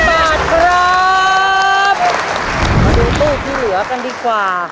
มาดูตู้ที่เหลือกันดีกว่า